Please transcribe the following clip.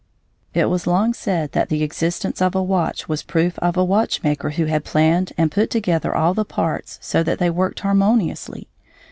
It was long said that the existence of a watch was proof of a watchmaker who had planned and put together all the parts so that they worked harmoniously.